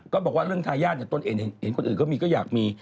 ก็บอกว่าเรื่องทายาทต้นเห็นคนอื่นก็อยากมี